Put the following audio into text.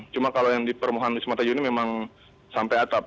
cuma kalau yang di permohonan ismatayu ini memang sampai atap